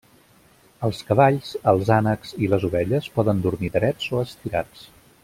Els cavalls, els ànecs i les ovelles poden dormir drets o estirats.